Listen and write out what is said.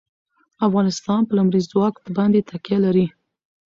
افغانستان په لمریز ځواک باندې تکیه لري.